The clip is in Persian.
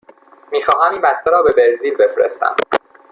می خواهم این بسته را به برزیل بفرستم.